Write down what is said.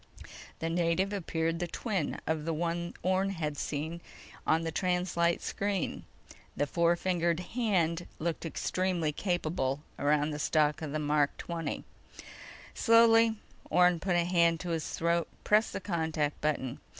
The native appeared the twin of the one Orne had seen on the translite screen. The four fingered hand looked extremely capable around the stock of the Mark XX. Slowly, Orne put a hand to his throat, pressed the contact button.